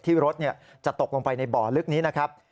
ที่รถจะตกลงไปในบ่อลึกนี้นะครับ